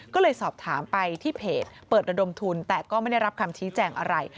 ก็เลยสอบถามไปที่เพจเปิดระดมทุนแต่ก็ไม่ได้รับคำชี้แจงอะไร